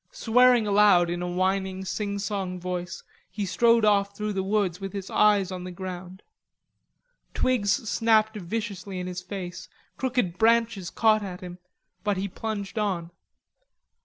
Swearing aloud in a whining singsong voice, he strode off through the woods with his eyes on the ground. Twigs snapped viciously in his face, crooked branches caught at him, but he plunged on.